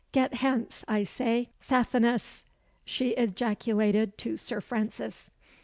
Get hence! I say, Sathanas!" she ejaculated to Sir Francis.